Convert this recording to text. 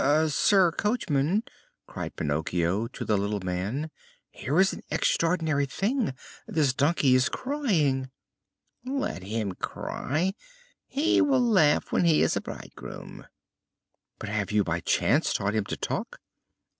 "Eh! Sir Coachman," cried Pinocchio to the little man, "here is an extraordinary thing! This donkey is crying." "Let him cry; he will laugh when he is a bridegroom." "But have you by chance taught him to talk?"